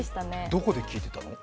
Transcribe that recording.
どこで聴いてたの？